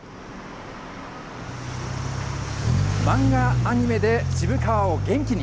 漫画、アニメで渋川を元気に。